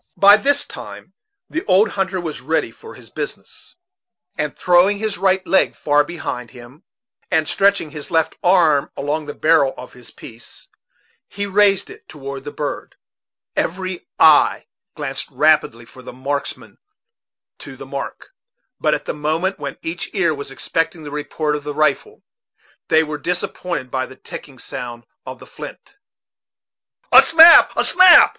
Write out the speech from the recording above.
By this time the old hunter was ready for his business, and throwing his right leg far behind him, and stretching his left arm along the barrel of his piece, he raised it toward the bird, Every eye glanced rapidly from the marks man to the mark; but at the moment when each ear was expecting the report of the rifle, they were disappointed by the ticking sound of the flint. "A snap, a snap!"